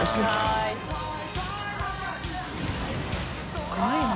すごいな。